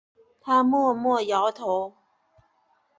他默默摇头